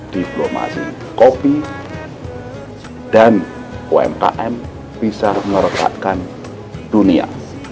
diplomasi kopi dan umkm bisa meretakkan dunia